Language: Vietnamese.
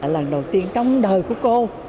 lần đầu tiên trong đời của cô